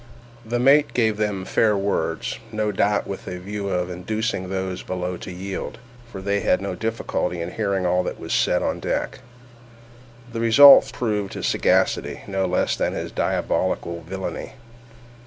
The mate gave them fair words—no doubt with a view of inducing those below to yield, for they had no difficulty in hearing all that was said on deck. The result proved his sagacity, no less than his diabolical villainy.